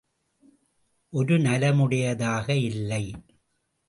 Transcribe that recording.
ஒரு நலமுடையதாக இல்லை.